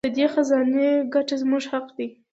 د دې خزانې ګټه زموږ حق دی.